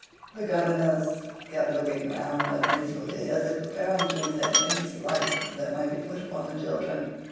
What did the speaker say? The governess kept looking round uneasily as if preparing to resent any slight that might be put upon the children.